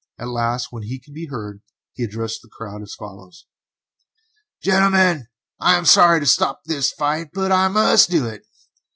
At last, when he could be heard, he addressed the crowd as follows: "Gentlemen, I am sorry to stop this fight, but I must do it.